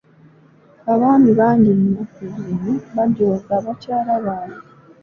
Abaami bangi ennaku zino bajooga bakyala baabwe.